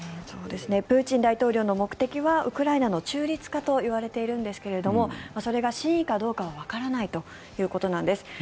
プーチン大統領の目的はウクライナの中立化といわれているんですがそれが真意かどうかはわからないということなんです。